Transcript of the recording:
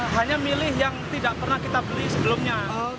hanya milih yang tidak pernah kita beli sebelumnya